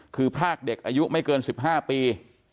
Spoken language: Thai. คือพรากเด็กอายุไม่เกิน๑๕ปี